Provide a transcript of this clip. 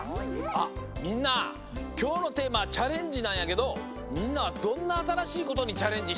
みんなきょうのテーマは「チャレンジ」なんやけどみんなはどんなあたらしいことにチャレンジしたい？